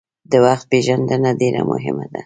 د وخت پېژندنه ډیره مهمه ده.